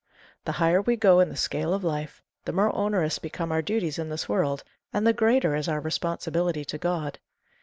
The higher we go in the scale of life, the more onerous become our duties in this world, and the greater is our responsibility to God.